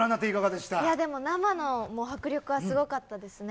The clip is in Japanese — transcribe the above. でも、生の迫力はすごかったですね。